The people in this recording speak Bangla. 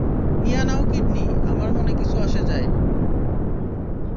নিয়া নাও কিডনী, আমার মনে কিছু আসে যায়।